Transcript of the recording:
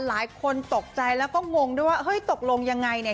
หลายคนตกใจแล้วก็งงด้วยว่าเฮ้ยตกลงยังไงเนี่ย